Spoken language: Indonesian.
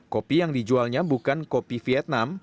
kopi yang dijualnya bukan kopi vietnam